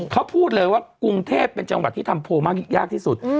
เขาพูดเลยว่ากรุงเทพเป็นจังหวัดที่ทำโพลมากยากที่สุด